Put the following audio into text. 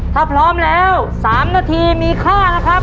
ถ้าพร้อมแล้ว๓นาทีมีค่านะครับ